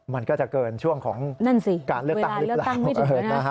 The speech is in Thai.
มันก็จะเกินช่วงของการเลือกตั้งหรือเปล่า